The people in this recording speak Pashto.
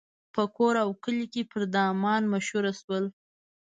په کور او کلي پر دامان مشهور شول.